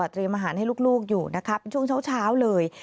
เตรียมอาหารให้ลูกอยู่นะครับช่วงเช้าเลย